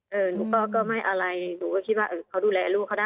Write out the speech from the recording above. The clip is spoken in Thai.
หนูก็ไม่อะไรหนูก็คิดว่าเออเขาดูแลลูกเขาได้